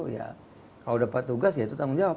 ya kalau dapat tugas ya itu tanggung jawab